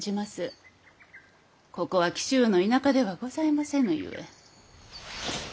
ここは紀州の田舎ではございませぬゆえ。